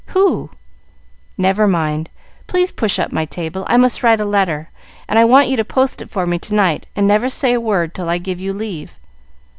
"Who?" "Never mind. Please push up my table. I must write a letter, and I want you to post it for me to night, and never say a word till I give you leave."